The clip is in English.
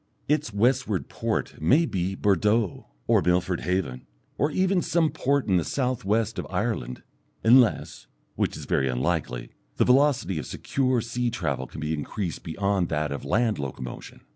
Its westward port may be Bordeaux or Milford Haven, or even some port in the south west of Ireland unless, which is very unlikely, the velocity of secure sea travel can be increased beyond that of land locomotion.